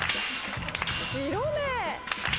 白目。